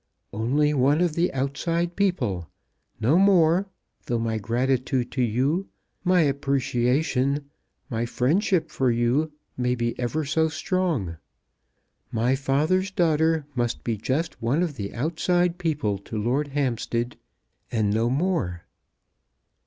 "Only one of the outside people; no more, though my gratitude to you, my appreciation, my friendship for you may be ever so strong. My father's daughter must be just one of the outside people to Lord Hampstead, and no more."